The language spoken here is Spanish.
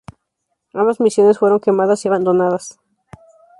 Ambas misiones fueron quemadas y abandonadas.